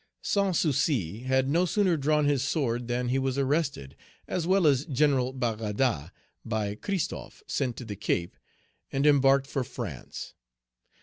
Sans Souci had no sooner drawn his sword than he was arrested, as well as General Baradat, by Christophe, sent to the Cape, and embarked for France.